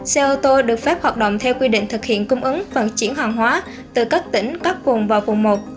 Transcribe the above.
xe ô tô được phép hoạt động theo quy định thực hiện cung ứng vận chuyển hàng hóa từ các tỉnh các vùng vào vùng một